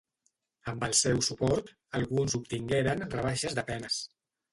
Amb el seu suport alguns obtingueren rebaixes de penes.